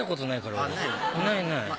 ないない。